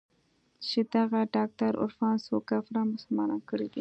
چې دغه ډاکتر عرفان څو کافران مسلمانان کړي دي.